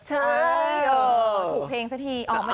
ขอถูกเพลงซะที